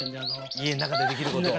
家の中でできることを。